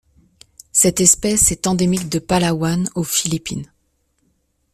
Cette espèce est endémique de Palawan, aux Philippines.